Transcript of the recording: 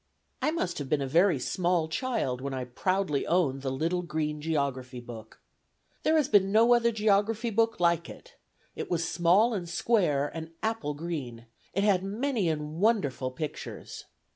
I must have been a very small child when I proudly owned the Little Green Geography Book. There has been no other geography book like it; it was small, and square, and apple green; it had many and wonderful pictures.